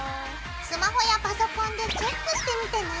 スマホやパソコンでチェックしてみてね！